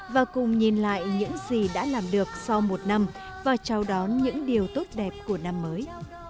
và cùng nhìn lại những gì đã làm được sau một năm và chào đón những điều tốt đẹp của năm mới